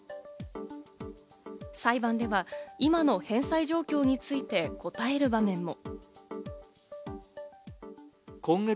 裁判では今の返済状況について答える場面も。